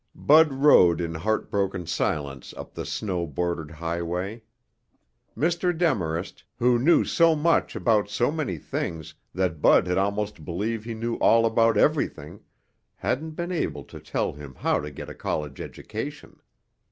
Bud rode in heartbroken silence up the snow bordered highway. Mr. Demarest, who knew so much about so many things that Bud had almost believed he knew all about everything, hadn't been able to tell him how to get a college education.